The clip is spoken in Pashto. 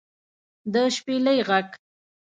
د شپېلۍ غږ